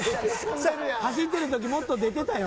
走ってる時、もっと出てたよ。